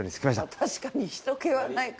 確かに人けはないか。